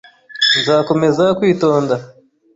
Nzakomeza kwitonda.